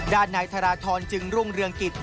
ด้านไหนยตรษรทรจึงรุ่งเรืองกิจ